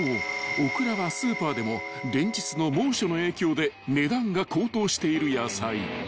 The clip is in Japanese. オクラはスーパーでも連日の猛暑の影響で値段が高騰している野菜］